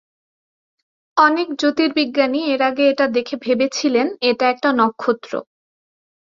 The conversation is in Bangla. অনেক জ্যোতির্বিজ্ঞানী এর আগে এটা দেখে ভেবেছিলেন একটা একটা নক্ষত্র।